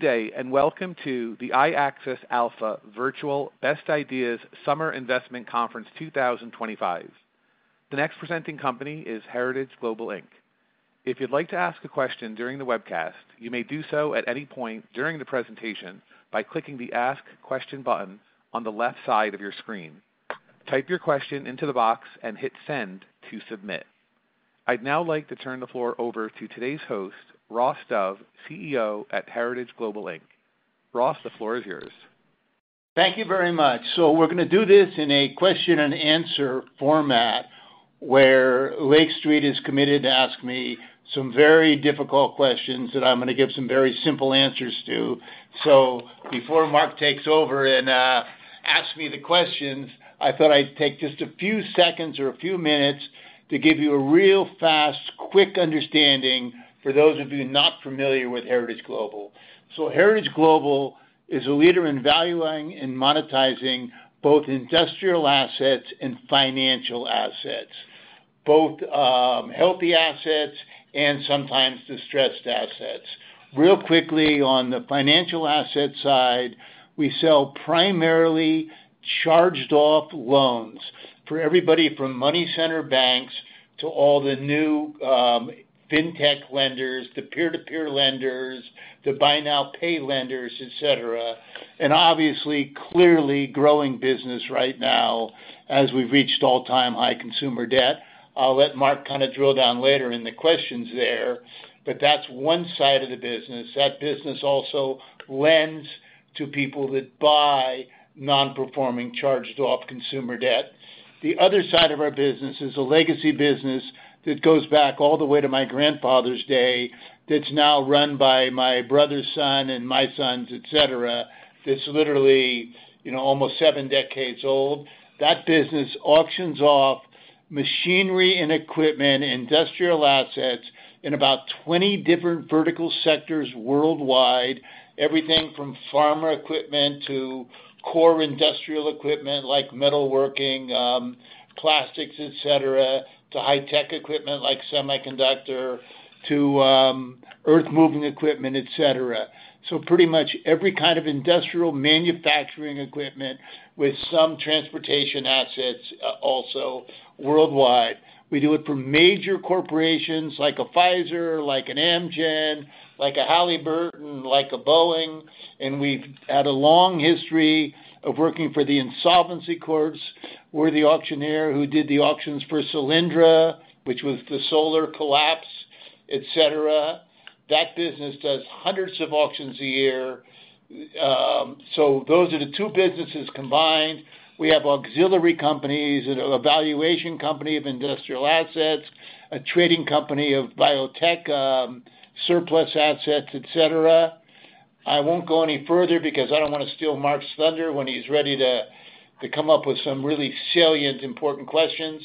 Good day, and welcome to the iACSES Alpha Virtual Best Ideas Summer investment conference 2025. The next presenting company is Heritage Global. If you'd like to ask a question during the webcast, you may do so at any point during the presentation by clicking the Ask Question button on the left side of your screen. Type your question into the box and hit Send to submit. I'd now like to turn the floor over to today's host, Ross Dove, CEO at Heritage Global. Ross, the floor is yours. Thank you very much. We're going to do this in a question-and-answer format where Lake Street is committed to ask me some very difficult questions that I'm going to give some very simple answers to. Before Mark takes over and asks me the questions, I thought I'd take just a few seconds or a few minutes to give you a real fast, quick understanding for those of you not familiar with Heritage Global. Heritage Global is a leader in valuing and monetizing both industrial assets and financial assets, both healthy assets and sometimes distressed assets. Real quickly on the financial asset side, we sell primarily charged-off loans for everybody from money-centered banks to all the new fintech lenders, the peer-to-peer lenders, the buy-now-pay lenders, et cetera. Obviously, clearly growing business right now as we've reached all-time high consumer debt. I'll let Mark kind of drill down later in the questions there, but that's one side of the business. That business also lends to people that buy non-performing charged-off consumer debt. The other side of our business is a legacy business that goes back all the way to my grandfather's day that's now run by my brother's son and my sons, et cetera. It's literally almost seven decades old. That business auctions off machinery and equipment, industrial assets in about 20 different vertical sectors worldwide, everything from farmer equipment to core industrial equipment like metalworking, plastics, et cetera, to high-tech equipment like semiconductor to earth-moving equipment, et cetera. Pretty much every kind of industrial manufacturing equipment with some transportation assets also worldwide. We do it for major corporations like a Pfizer, like an Amgen, like a Halliburton, like a Boeing. We have had a long history of working for the insolvency courts. We are the auctioneer who did the auctions for Solyndra, which was the solar collapse, et cetera. That business does hundreds of auctions a year. Those are the two businesses combined. We have auxiliary companies, an evaluation company of industrial assets, a trading company of biotech surplus assets, et cetera. I will not go any further because I do not want to steal Mark's thunder when he is ready to come up with some really salient important questions.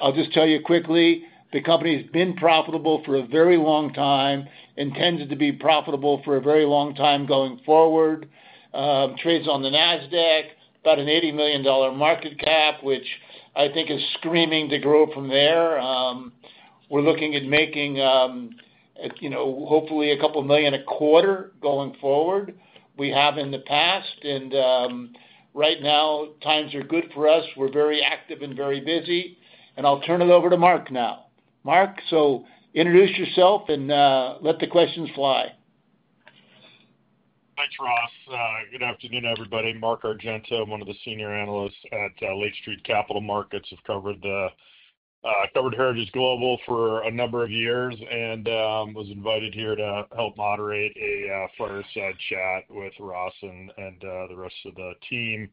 I will just tell you quickly, the company has been profitable for a very long time and tended to be profitable for a very long time going forward. Trades on the NASDAQ, about a $80 million market cap, which I think is screaming to grow from there. We are looking at making hopefully a couple of million a quarter going forward. We have in the past. Right now, times are good for us. We're very active and very busy. I'll turn it over to Mark now. Mark, introduce yourself and let the questions fly. Thanks, Ross. Good afternoon, everybody. Mark Argento, one of the senior analysts at Lake Street Capital Markets. I've covered Heritage Global for a number of years and was invited here to help moderate a fireside chat with Ross and the rest of the team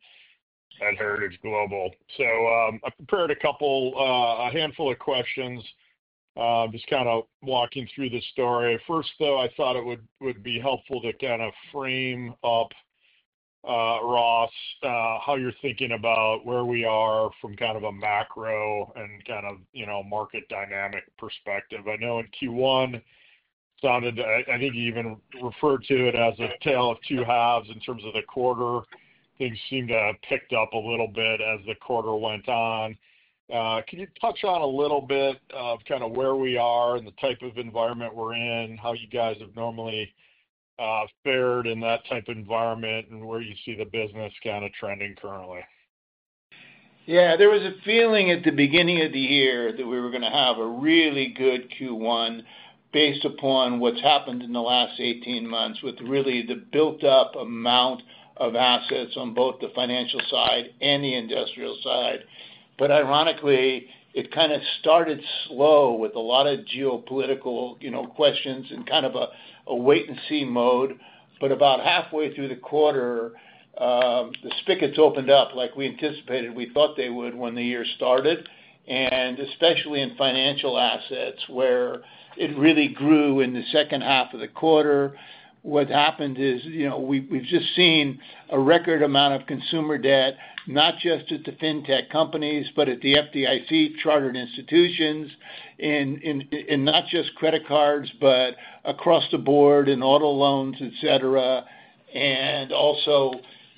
at Heritage Global. I prepared a handful of questions, just kind of walking through the story. First, though, I thought it would be helpful to kind of frame up, Ross, how you're thinking about where we are from kind of a macro and kind of market dynamic perspective. I know in Q1, I think you even referred to it as a tale of two halves in terms of the quarter. Things seem to have picked up a little bit as the quarter went on. Can you touch on a little bit of kind of where we are and the type of environment we're in, how you guys have normally fared in that type of environment, and where you see the business kind of trending currently? Yeah, there was a feeling at the beginning of the year that we were going to have a really good Q1 based upon what's happened in the last 18 months with really the built-up amount of assets on both the financial side and the industrial side. Ironically, it kind of started slow with a lot of geopolitical questions and kind of a wait-and-see mode. About halfway through the quarter, the spigots opened up like we anticipated. We thought they would when the year started. Especially in financial assets where it really grew in the second half of the quarter. What happened is we've just seen a record amount of consumer debt, not just at the fintech companies, but at the FDIC chartered institutions, and not just credit cards, but across the board in auto loans, et cetera. is also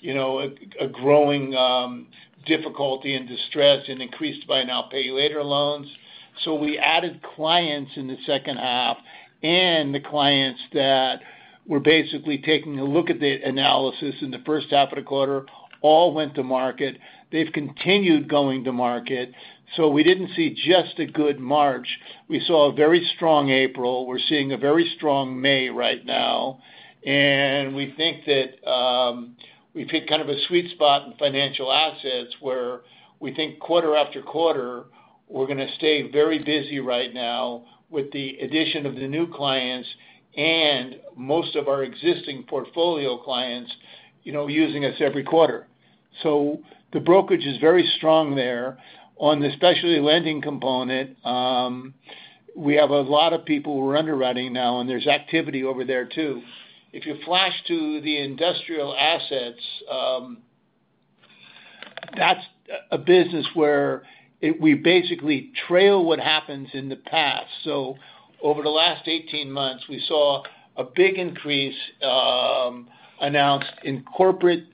a growing difficulty and distress and increased buy-now-pay-later loans. We added clients in the second half, and the clients that were basically taking a look at the analysis in the first half of the quarter all went to market. They have continued going to market. We did not see just a good March. We saw a very strong April. We are seeing a very strong May right now. We think that we have hit kind of a sweet spot in financial assets where we think quarter after quarter, we are going to stay very busy right now with the addition of the new clients and most of our existing portfolio clients using us every quarter. The brokerage is very strong there on the specialty lending component. We have a lot of people who are underwriting now, and there is activity over there too. If you flash to the industrial assets, that's a business where we basically trail what happens in the past. Over the last 18 months, we saw a big increase announced in corporate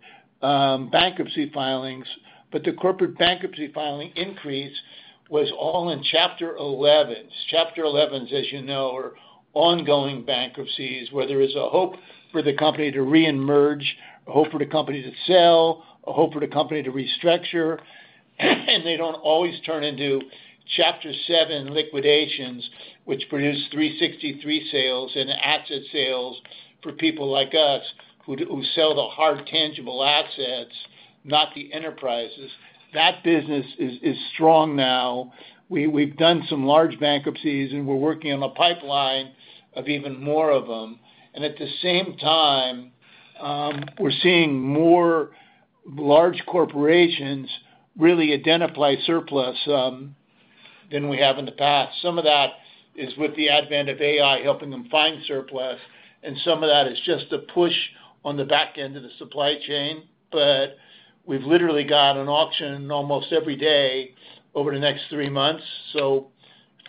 bankruptcy filings, but the corporate bankruptcy filing increase was all in Chapter 11s. Chapter 11s, as you know, are ongoing bankruptcies where there is a hope for the company to reemerge, a hope for the company to sell, a hope for the company to restructure. They do not always turn into Chapter 7 liquidations, which produce 363 sales and asset sales for people like us who sell the hard tangible assets, not the enterprises. That business is strong now. We've done some large bankruptcies, and we're working on a pipeline of even more of them. At the same time, we're seeing more large corporations really identify surplus than we have in the past. Some of that is with the advent of AI helping them find surplus, and some of that is just a push on the back end of the supply chain. We have literally got an auction almost every day over the next three months.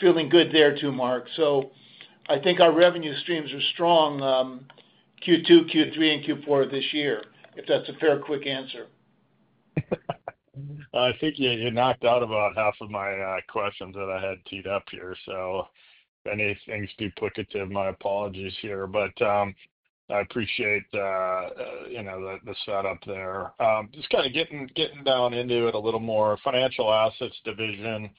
Feeling good there too, Mark. I think our revenue streams are strong Q2, Q3, and Q4 of this year, if that is a fair quick answer. I think you knocked out about half of my questions that I had teed up here. If anything's duplicative, my apologies here. I appreciate the setup there. Just kind of getting down into it a little more. Financial assets division.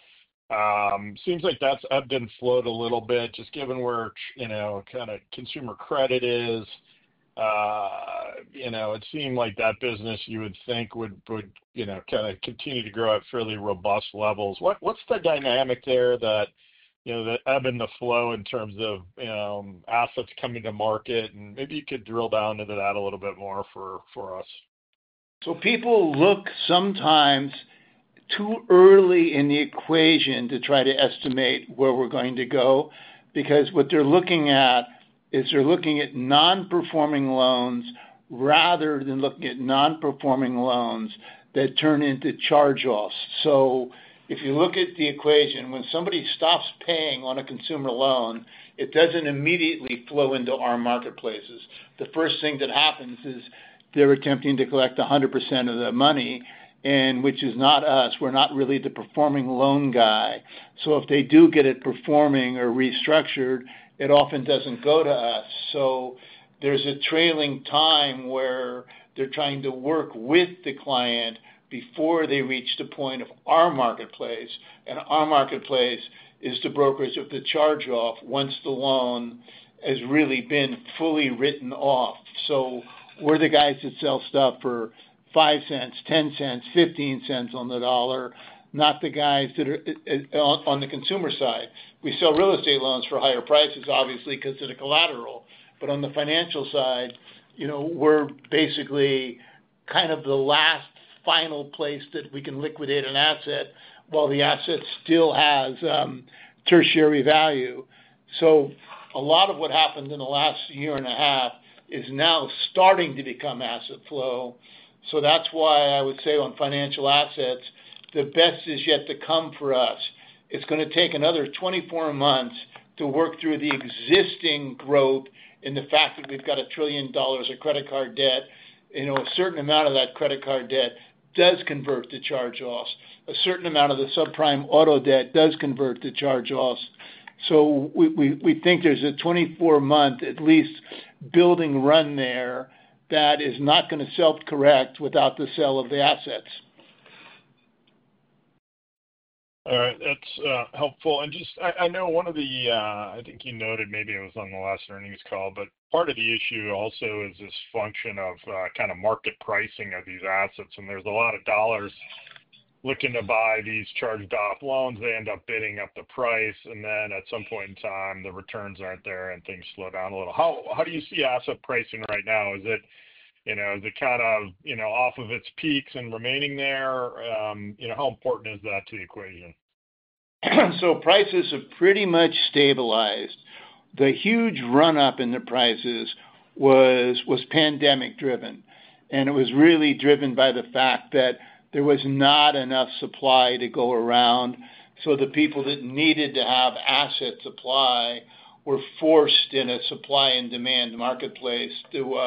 Seems like that's ebbed and flowed a little bit. Just given where kind of consumer credit is, it seemed like that business you would think would kind of continue to grow at fairly robust levels. What's the dynamic there that ebbed and flowed in terms of assets coming to market? Maybe you could drill down into that a little bit more for us. People look sometimes too early in the equation to try to estimate where we're going to go because what they're looking at is they're looking at non-performing loans rather than looking at non-performing loans that turn into charge-offs. If you look at the equation, when somebody stops paying on a consumer loan, it doesn't immediately flow into our marketplaces. The first thing that happens is they're attempting to collect 100% of the money, which is not us. We're not really the performing loan guy. If they do get it performing or restructured, it often doesn't go to us. There's a trailing time where they're trying to work with the client before they reach the point of our marketplace. Our marketplace is the brokerage of the charge-off once the loan has really been fully written off. We're the guys that sell stuff for $0.05, $0.10, $0.15 on the dollar, not the guys that are on the consumer side. We sell real estate loans for higher prices, obviously, because of the collateral. On the financial side, we're basically kind of the last final place that we can liquidate an asset while the asset still has tertiary value. A lot of what happened in the last year and a half is now starting to become asset flow. That's why I would say on financial assets, the best is yet to come for us. It's going to take another 24 months to work through the existing growth and the fact that we've got a trillion dollars of credit card debt. A certain amount of that credit card debt does convert to charge-offs. A certain amount of the subprime auto debt does convert to charge-offs. We think there is a 24-month, at least, building run there that is not going to self-correct without the sale of the assets. All right. That's helpful. I know one of the, I think you noted maybe it was on the last earnings call, but part of the issue also is this function of kind of market pricing of these assets. There's a lot of dollars looking to buy these charged-off loans. They end up bidding up the price. At some point in time, the returns aren't there and things slow down a little. How do you see asset pricing right now? Is it kind of off of its peaks and remaining there? How important is that to the equation? Prices have pretty much stabilized. The huge run-up in the prices was pandemic-driven. It was really driven by the fact that there was not enough supply to go around. The people that needed to have asset supply were forced in a supply and demand marketplace to,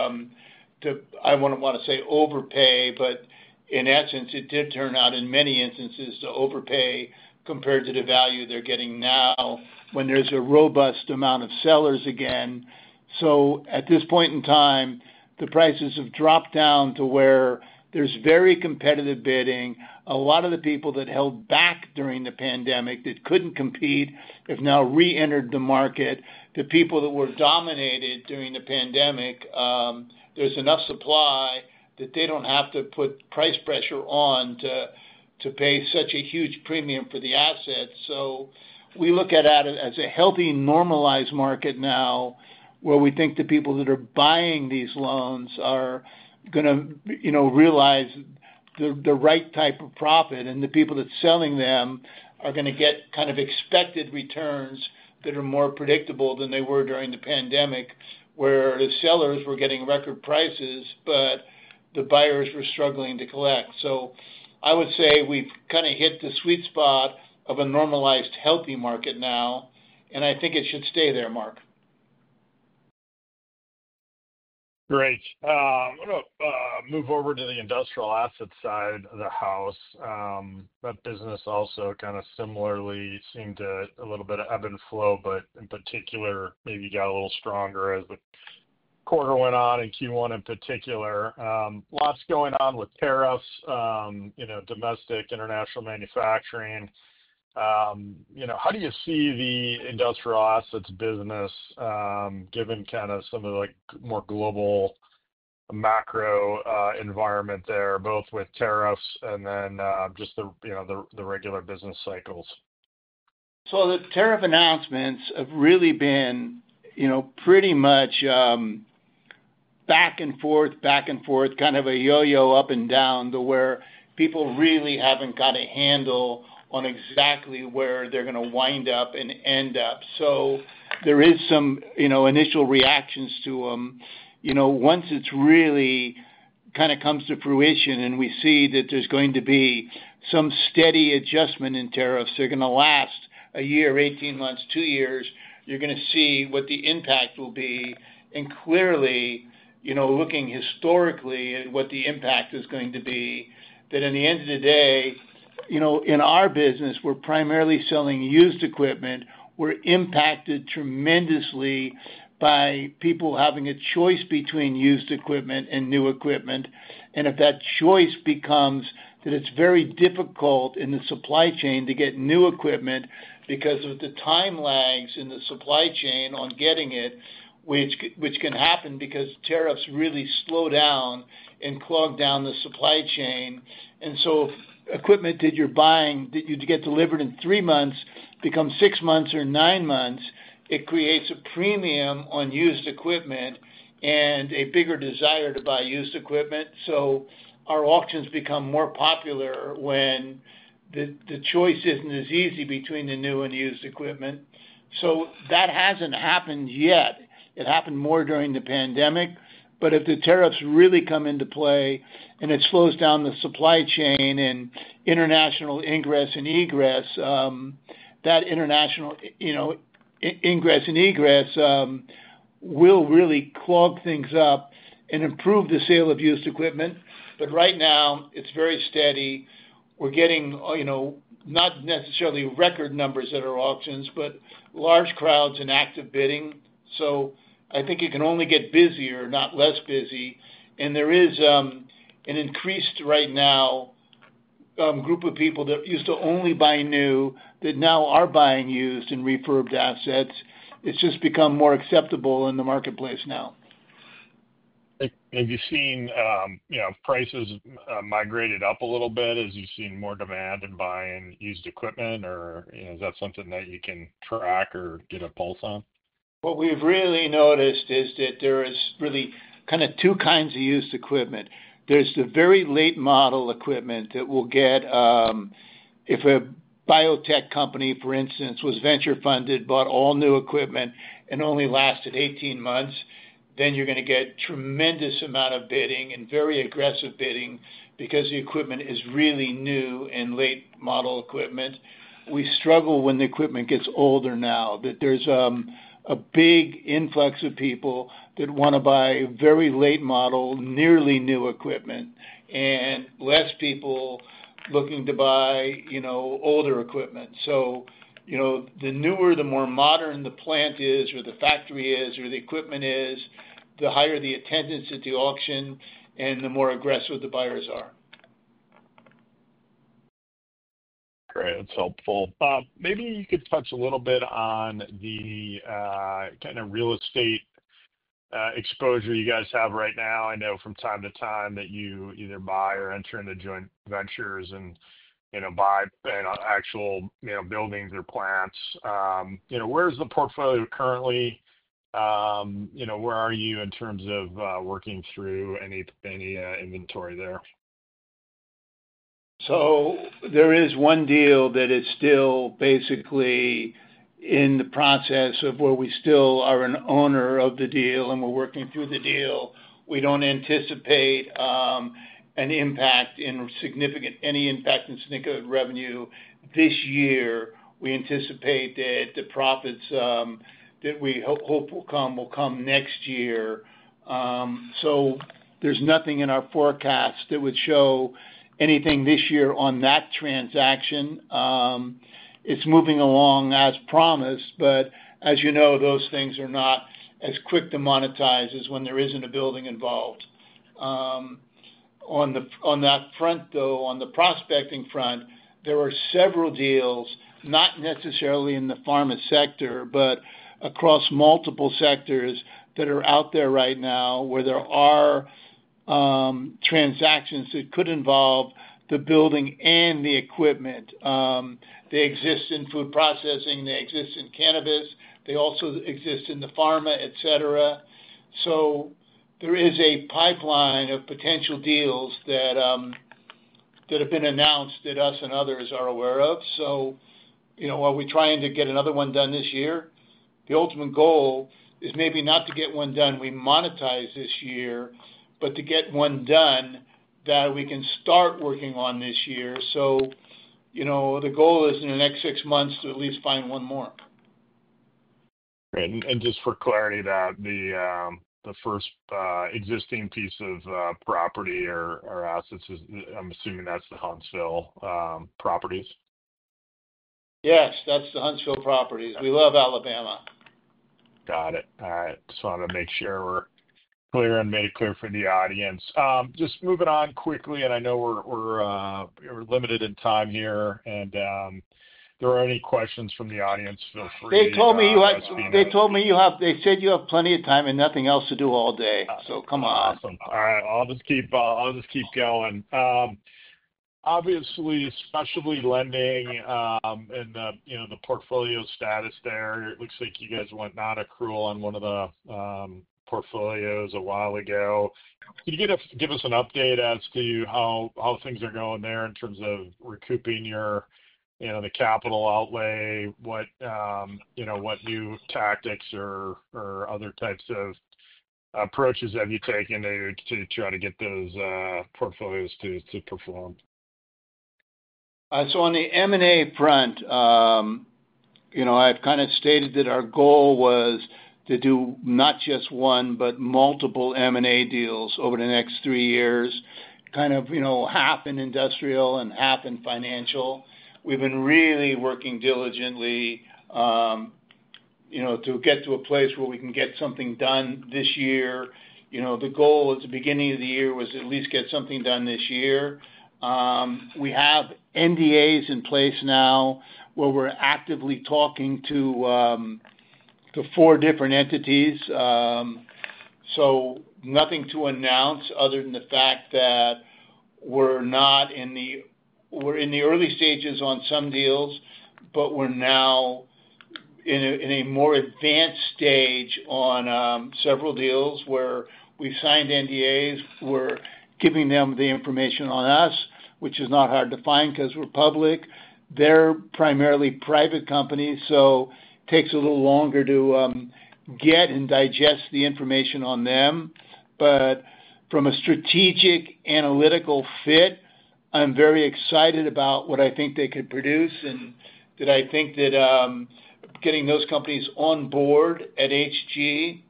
I would not want to say overpay, but in essence, it did turn out in many instances to overpay compared to the value they are getting now when there is a robust amount of sellers again. At this point in time, the prices have dropped down to where there is very competitive bidding. A lot of the people that held back during the pandemic that could not compete have now re-entered the market. The people that were dominated during the pandemic, there is enough supply that they do not have to put price pressure on to pay such a huge premium for the assets. We look at it as a healthy normalized market now where we think the people that are buying these loans are going to realize the right type of profit and the people that are selling them are going to get kind of expected returns that are more predictable than they were during the pandemic where the sellers were getting record prices, but the buyers were struggling to collect. I would say we've kind of hit the sweet spot of a normalized healthy market now. I think it should stay there, Mark. Great. I'm going to move over to the industrial asset side of the house. That business also kind of similarly seemed to a little bit of ebb and flow, but in particular, maybe got a little stronger as the quarter went on in Q1 in particular. Lots going on with tariffs, domestic, international manufacturing. How do you see the industrial assets business given kind of some of the more global macro environment there, both with tariffs and then just the regular business cycles? The tariff announcements have really been pretty much back and forth, back and forth, kind of a yo-yo up and down to where people really have not got a handle on exactly where they are going to wind up and end up. There is some initial reactions to them. Once it really kind of comes to fruition and we see that there is going to be some steady adjustment in tariffs, they are going to last a year, 18 months, two years, you are going to see what the impact will be. Clearly, looking historically at what the impact is going to be, at the end of the day, in our business, we are primarily selling used equipment. We are impacted tremendously by people having a choice between used equipment and new equipment. If that choice becomes that it's very difficult in the supply chain to get new equipment because of the time lags in the supply chain on getting it, which can happen because tariffs really slow down and clog down the supply chain. Equipment that you're buying that you'd get delivered in three months becomes six months or nine months, it creates a premium on used equipment and a bigger desire to buy used equipment. Our auctions become more popular when the choice isn't as easy between the new and used equipment. That hasn't happened yet. It happened more during the pandemic. If the tariffs really come into play and it slows down the supply chain and international ingress and egress, that international ingress and egress will really clog things up and improve the sale of used equipment. Right now, it's very steady. We're getting not necessarily record numbers at our auctions, but large crowds and active bidding. I think it can only get busier, not less busy. There is an increased right now group of people that used to only buy new that now are buying used and refurbed assets. It's just become more acceptable in the marketplace now. Have you seen prices migrated up a little bit as you've seen more demand and buying used equipment? Or is that something that you can track or get a pulse on? What we've really noticed is that there is really kind of two kinds of used equipment. There's the very late model equipment that will get if a biotech company, for instance, was venture funded, bought all new equipment and only lasted 18 months, then you're going to get a tremendous amount of bidding and very aggressive bidding because the equipment is really new and late model equipment. We struggle when the equipment gets older now that there's a big influx of people that want to buy very late model, nearly new equipment and less people looking to buy older equipment. The newer, the more modern the plant is or the factory is or the equipment is, the higher the attendance at the auction and the more aggressive the buyers are. Great. That's helpful. Maybe you could touch a little bit on the kind of real estate exposure you guys have right now. I know from time to time that you either buy or enter into joint ventures and buy actual buildings or plants. Where's the portfolio currently? Where are you in terms of working through any inventory there? There is one deal that is still basically in the process of where we still are an owner of the deal and we're working through the deal. We don't anticipate any impact in significant revenue this year. We anticipate that the profits that we hope will come will come next year. There is nothing in our forecast that would show anything this year on that transaction. It's moving along as promised, but as you know, those things are not as quick to monetize as when there isn't a building involved. On that front, though, on the prospecting front, there are several deals, not necessarily in the pharma sector, but across multiple sectors that are out there right now where there are transactions that could involve the building and the equipment. They exist in food processing. They exist in cannabis. They also exist in the pharma, etc. There is a pipeline of potential deals that have been announced that us and others are aware of. Are we trying to get another one done this year? The ultimate goal is maybe not to get one done we monetize this year, but to get one done that we can start working on this year. The goal is in the next six months to at least find one more. Great. Just for clarity, the first existing piece of property or assets, I'm assuming that's the Huntsville properties? Yes, that's the Huntsville properties. We love Alabama. Got it. All right. Just wanted to make sure we're clear and made it clear for the audience. Just moving on quickly, I know we're limited in time here. If there are any questions from the audience, feel free. They told me you have plenty of time and nothing else to do all day. So come on. Awesome. All right. I'll just keep going. Obviously, specialty lending and the portfolio status there, it looks like you guys went non-accrual on one of the portfolios a while ago. Can you give us an update as to how things are going there in terms of recouping the capital outlay? What new tactics or other types of approaches have you taken to try to get those portfolios to perform? On the M&A front, I've kind of stated that our goal was to do not just one, but multiple M&A deals over the next three years, kind of half in industrial and half in financial. We've been really working diligently to get to a place where we can get something done this year. The goal at the beginning of the year was to at least get something done this year. We have NDAs in place now where we're actively talking to four different entities. Nothing to announce other than the fact that we're in the early stages on some deals, but we're now in a more advanced stage on several deals where we've signed NDAs. We're giving them the information on us, which is not hard to find because we're public. They're primarily private companies, so it takes a little longer to get and digest the information on them. From a strategic analytical fit, I'm very excited about what I think they could produce and that I think that getting those companies on board at HG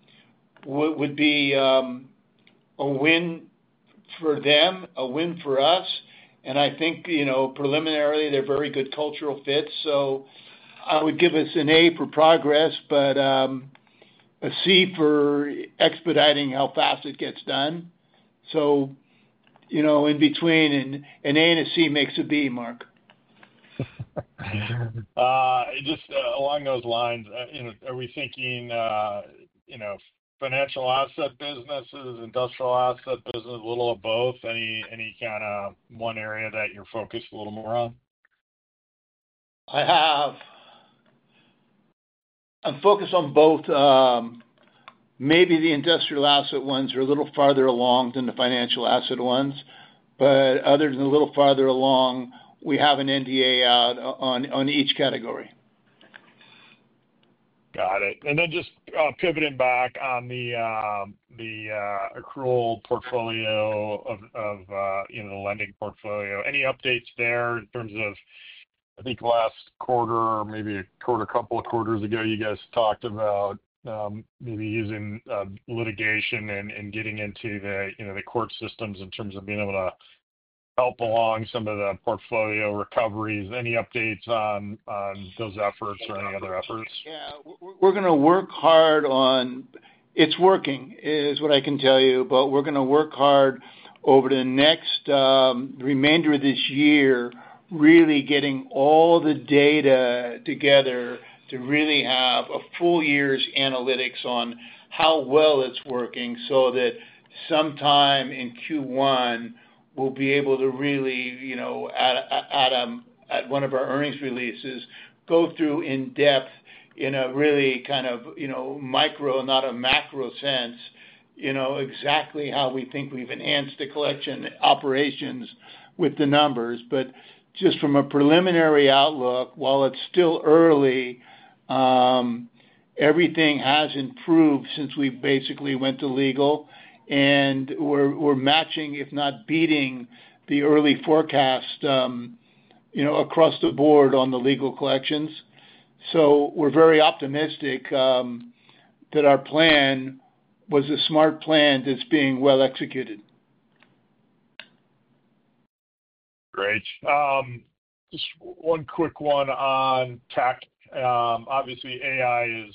would be a win for them, a win for us. I think preliminarily, they're very good cultural fits. I would give us an A for progress, but a C for expediting how fast it gets done. In between an A and a C makes a B, Mark. Just along those lines, are we thinking financial asset businesses, industrial asset business, a little of both? Any kind of one area that you're focused a little more on? I'm focused on both. Maybe the industrial asset ones are a little farther along than the financial asset ones. Other than a little farther along, we have an NDA out on each category. Got it. Just pivoting back on the accrual portfolio of the lending portfolio, any updates there in terms of, I think, last quarter or maybe a couple of quarters ago, you guys talked about maybe using litigation and getting into the court systems in terms of being able to help along some of the portfolio recoveries. Any updates on those efforts or any other efforts? Yeah. We're going to work hard on it's working is what I can tell you, but we're going to work hard over the remainder of this year really getting all the data together to really have a full year's analytics on how well it's working, so that sometime in Q1, we'll be able to really, at one of our earnings releases, go through in depth in a really kind of micro, not a macro sense, exactly how we think we've enhanced the collection operations with the numbers. Just from a preliminary outlook, while it's still early, everything has improved since we basically went to legal. We're matching, if not beating, the early forecast across the board on the legal collections. We're very optimistic that our plan was a smart plan that's being well executed. Great. Just one quick one on tech. Obviously, AI is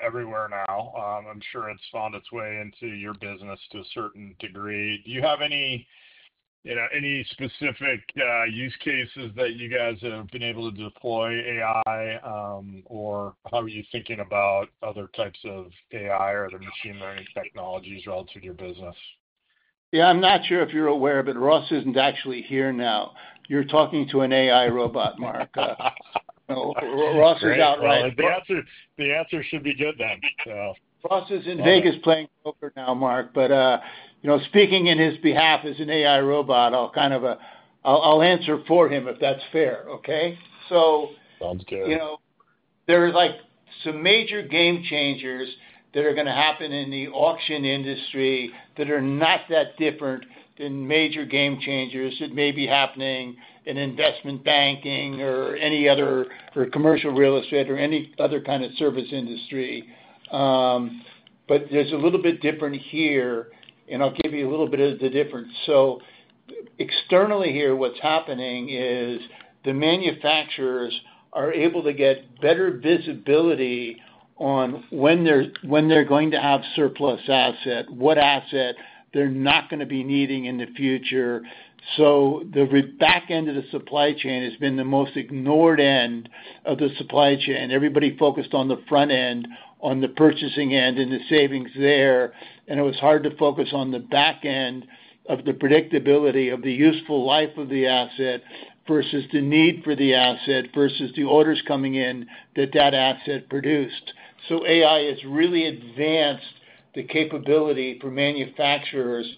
everywhere now. I'm sure it's found its way into your business to a certain degree. Do you have any specific use cases that you guys have been able to deploy AI, or how are you thinking about other types of AI or other machine learning technologies relative to your business? Yeah. I'm not sure if you're aware, but Ross isn't actually here now. You're talking to an AI robot, Mark. Ross is out right now. The answer should be good then. Ross is in Vegas playing poker now, Mark. But speaking on his behalf as an AI robot, I'll kind of answer for him if that's fair, okay? Sounds good. There are some major game changers that are going to happen in the auction industry that are not that different than major game changers that may be happening in investment banking or any other commercial real estate or any other kind of service industry. There is a little bit different here, and I'll give you a little bit of the difference. Externally here, what's happening is the manufacturers are able to get better visibility on when they're going to have surplus asset, what asset they're not going to be needing in the future. The back end of the supply chain has been the most ignored end of the supply chain. Everybody focused on the front end, on the purchasing end and the savings there. It was hard to focus on the back end of the predictability of the useful life of the asset versus the need for the asset versus the orders coming in that that asset produced. AI has really advanced the capability for manufacturers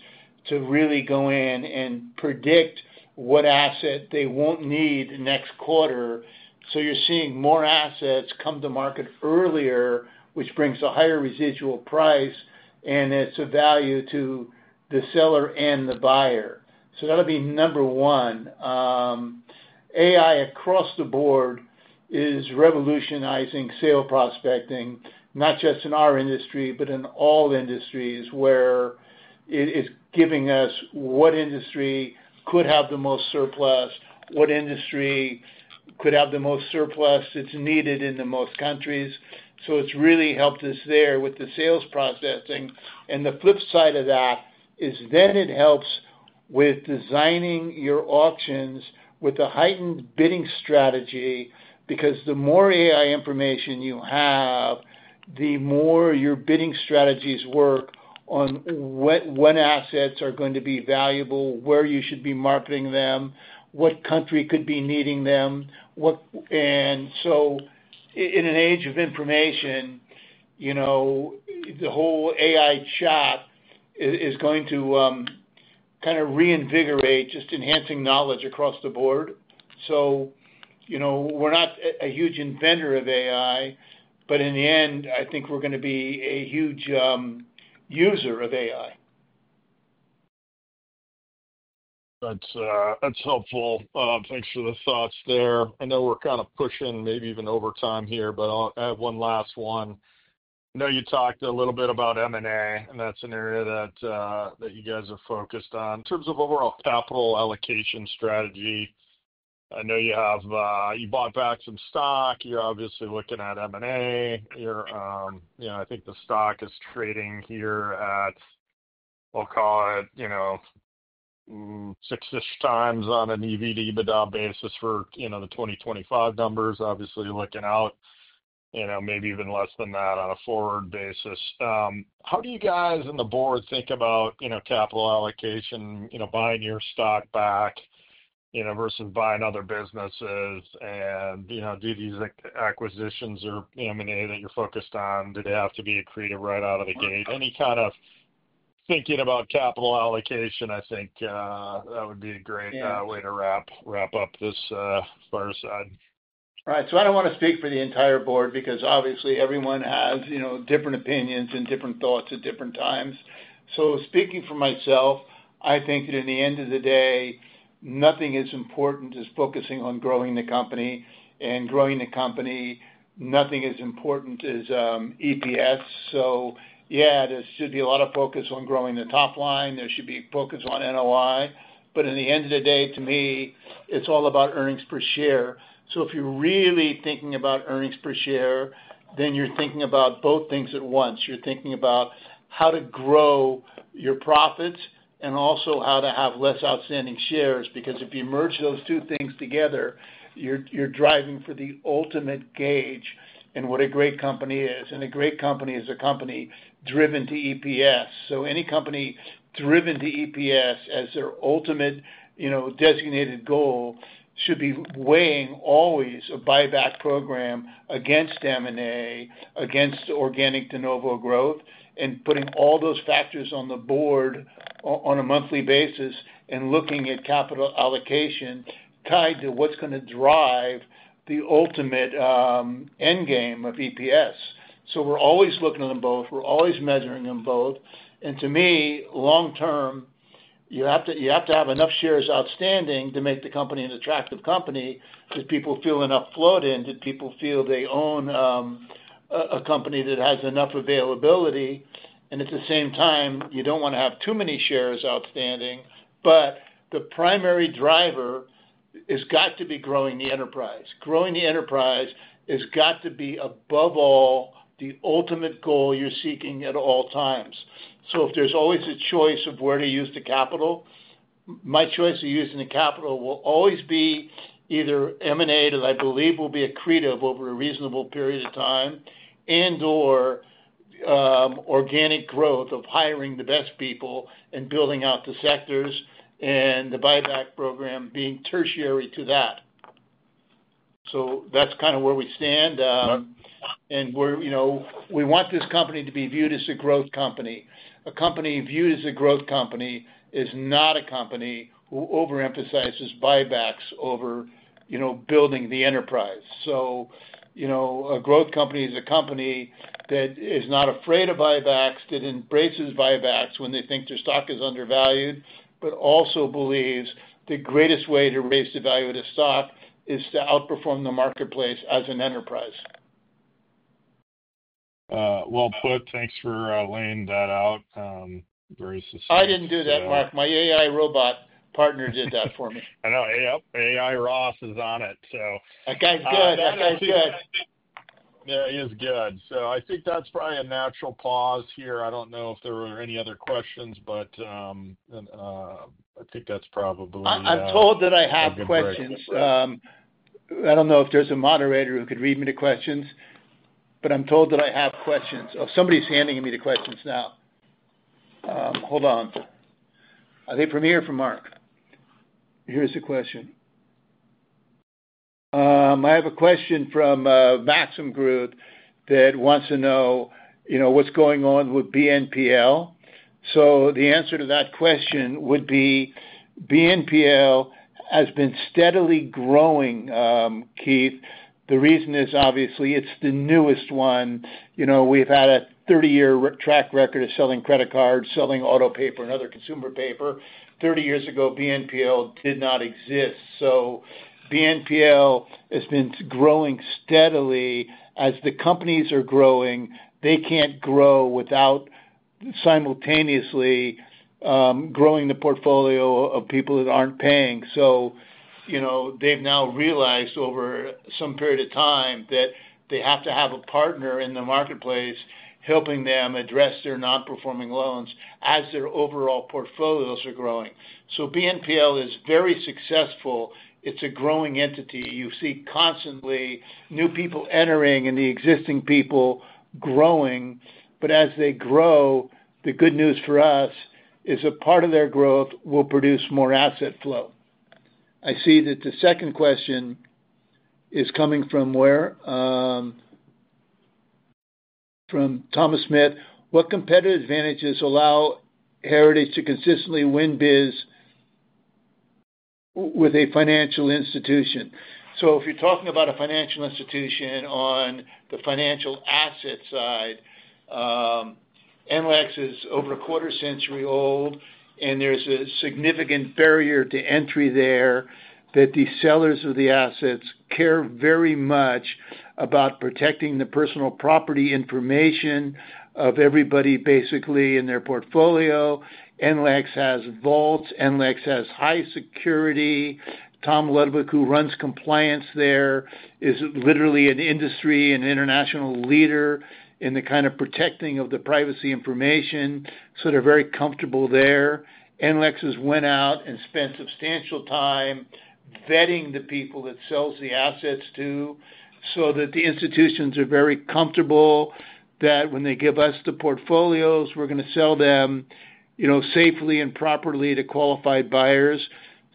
to really go in and predict what asset they will not need next quarter. You are seeing more assets come to market earlier, which brings a higher residual price, and it is a value to the seller and the buyer. That will be number one. AI across the board is revolutionizing sale prospecting, not just in our industry, but in all industries where it is giving us what industry could have the most surplus, what industry could have the most surplus that is needed in the most countries. It has really helped us there with the sales processing. The flip side of that is then it helps with designing your auctions with a heightened bidding strategy because the more AI information you have, the more your bidding strategies work on what assets are going to be valuable, where you should be marketing them, what country could be needing them. In an age of information, the whole AI chat is going to kind of reinvigorate just enhancing knowledge across the board. We are not a huge inventor of AI, but in the end, I think we are going to be a huge user of AI. That's helpful. Thanks for the thoughts there. I know we're kind of pushing maybe even over time here, but I have one last one. I know you talked a little bit about M&A, and that's an area that you guys are focused on. In terms of overall capital allocation strategy, I know you bought back some stock. You're obviously looking at M&A. I think the stock is trading here at, I'll call it, six-ish times on an EV/EBITDA basis for the 2025 numbers, obviously looking out maybe even less than that on a forward basis. How do you guys and the board think about capital allocation, buying your stock back versus buying other businesses? Do these acquisitions or M&A that you're focused on, do they have to be created right out of the gate? Any kind of thinking about capital allocation, I think that would be a great way to wrap up as far as I'd. All right. I do not want to speak for the entire board because obviously everyone has different opinions and different thoughts at different times. Speaking for myself, I think that in the end of the day, nothing is as important as focusing on growing the company. And growing the company, nothing is as important as EPS. There should be a lot of focus on growing the top line. There should be focus on NOI. In the end of the day, to me, it is all about earnings per share. If you are really thinking about earnings per share, then you are thinking about both things at once. You are thinking about how to grow your profits and also how to have less outstanding shares. If you merge those two things together, you are driving for the ultimate gauge in what a great company is. A great company is a company driven to EPS. Any company driven to EPS as their ultimate designated goal should be weighing always a buyback program against M&A, against organic de novo growth, and putting all those factors on the board on a monthly basis and looking at capital allocation tied to what is going to drive the ultimate end game of EPS. We are always looking at them both. We are always measuring them both. To me, long term, you have to have enough shares outstanding to make the company an attractive company. Do people feel enough float in? Do people feel they own a company that has enough availability? At the same time, you do not want to have too many shares outstanding. The primary driver has got to be growing the enterprise. Growing the enterprise has got to be, above all, the ultimate goal you're seeking at all times. If there's always a choice of where to use the capital, my choice of using the capital will always be either M&A, as I believe will be accretive over a reasonable period of time, and/or organic growth of hiring the best people and building out the sectors and the buyback program being tertiary to that. That's kind of where we stand. We want this company to be viewed as a growth company. A company viewed as a growth company is not a company who overemphasizes buybacks over building the enterprise. A growth company is a company that is not afraid of buybacks, that embraces buybacks when they think their stock is undervalued, but also believes the greatest way to raise the value of the stock is to outperform the marketplace as an enterprise. Bud, thanks for laying that out. Very succinct. I didn't do that, Mark. My AI robot partner did that for me. I know. Yep. AI Ross is on it, so. That guy's good. That guy's good. Yeah. He's good. I think that's probably a natural pause here. I don't know if there were any other questions, but I think that's probably. I'm told that I have questions. I don't know if there's a moderator who could read me the questions, but I'm told that I have questions. Oh, somebody's handing me the questions now. Hold on. I think from here for Mark. Here's the question. I have a question from Maxim Groot that wants to know what's going on with BNPL. The answer to that question would be BNPL has been steadily growing, Keith. The reason is obviously it's the newest one. We've had a 30-year track record of selling credit cards, selling auto paper, and other consumer paper. Thirty years ago, BNPL did not exist. BNPL has been growing steadily. As the companies are growing, they can't grow without simultaneously growing the portfolio of people that aren't paying. They've now realized over some period of time that they have to have a partner in the marketplace helping them address their non-performing loans as their overall portfolios are growing. BNPL is very successful. It's a growing entity. You see constantly new people entering and the existing people growing. As they grow, the good news for us is a part of their growth will produce more asset flow. I see that the second question is coming from where? From Thomas Smith. What competitive advantages allow Heritage to consistently win bids with a financial institution? If you're talking about a financial institution on the financial asset side, NLAX is over a quarter century old, and there's a significant barrier to entry there that the sellers of the assets care very much about protecting the personal property information of everybody basically in their portfolio. NLAX has vaults. NLAX has high security. Tom Ludwick, who runs compliance there, is literally an industry and international leader in the kind of protecting of the privacy information. So they're very comfortable there. NLAX has went out and spent substantial time vetting the people that sells the assets to so that the institutions are very comfortable that when they give us the portfolios, we're going to sell them safely and properly to qualified buyers.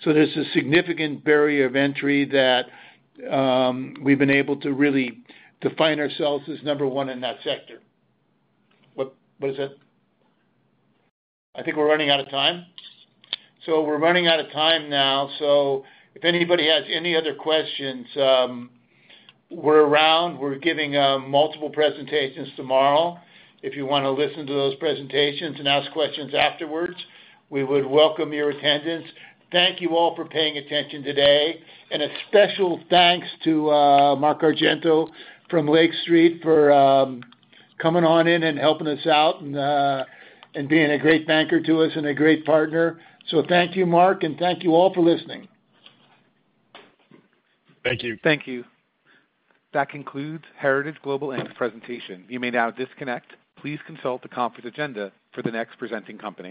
So there's a significant barrier of entry that we've been able to really define ourselves as number one in that sector. What is it? I think we're running out of time. We're running out of time now. If anybody has any other questions, we're around. We're giving multiple presentations tomorrow. If you want to listen to those presentations and ask questions afterwards, we would welcome your attendance. Thank you all for paying attention today. A special thanks to Mark Argento from Lake Street for coming on in and helping us out and being a great banker to us and a great partner. Thank you, Mark, and thank you all for listening. Thank you. Thank you. That concludes Heritage Global's presentation. You may now disconnect. Please consult the conference agenda for the next presenting company.